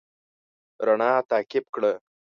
رڼا تعقيب کړه.